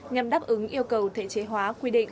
nhằm đáp ứng yêu cầu thể chế hóa quy định